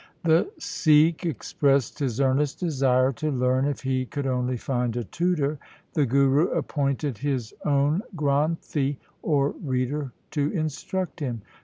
The Sikh expressed his earnest desire to learn, if he could only find a tutor. The Guru appointed his own Granthi, or reader, to instruct him.